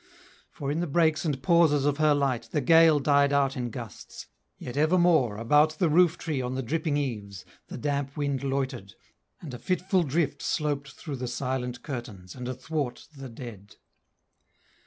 For in the breaks and pauses of her light The gale died out in gusts: yet, evermore About the roof tree on the dripping eaves, The damp wind loitered, and a fitful drift Sloped through the silent curtains, and athwart The dead.